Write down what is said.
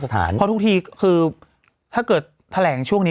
เพราะทุกทีคือถ้าเกิดแถลงช่วงนี้